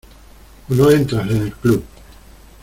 o no entras en el club.